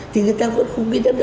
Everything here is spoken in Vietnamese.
thì người ta vẫn không biết